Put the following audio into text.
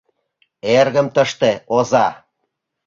Эргым тыште оза!